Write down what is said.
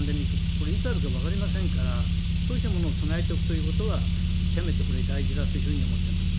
これ、いつあるか分かりませんから、そうしたものを備えておくということは、極めてこれ、大事だというふうに思ってます。